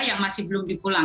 yang masih belum berpengalaman